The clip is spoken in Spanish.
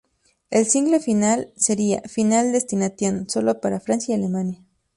El single final sería "Final Destination", sólo para Francia y Alemania.